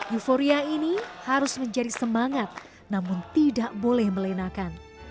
euforia ini harus menjadi semangat namun tidak boleh melenakan